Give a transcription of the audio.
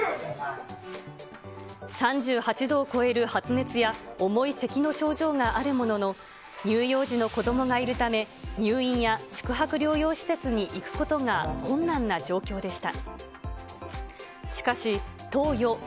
３８度を超える発熱や重いせきの症状があるものの、乳幼児の子どもがいるため、入院や宿泊療養施設に行くことが困難な状況でした。